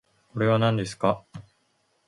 これはなんですか